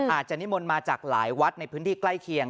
อาจจะนิมนต์มาจากหลายวัดในพื้นที่ใกล้เคียง